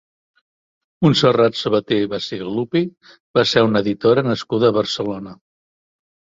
Montserrat Sabater Bacigalupi va ser una editora nascuda a Barcelona.